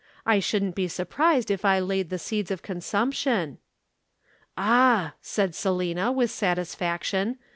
I shouldn't be surprised if I have laid the seeds of consumption.' "'Ah,' said Selina with satisfaction.